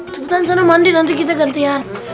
cepetan sana mandi nanti kita gantian